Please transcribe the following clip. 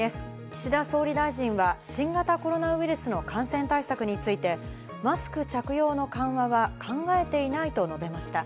岸田総理大臣は新型コロナウイルスの感染対策について、マスク着用の緩和は考えていないと述べました。